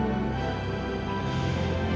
jodoh sudah exit